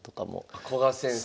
あ古賀先生。